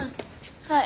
はい。